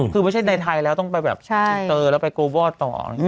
คือไม่ใช่ในไทยแล้วต้องไปแบบอินเตอร์แล้วไปโกวอลต่อ